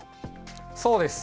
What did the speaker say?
そうです。